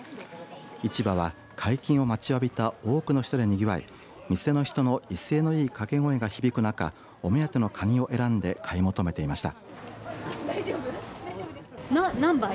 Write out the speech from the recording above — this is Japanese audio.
市場は解禁を待ちわびた多くの人でにぎわい店の人の威勢のいい掛け声が響くなかお目当てのかにを選んで買い求めていました。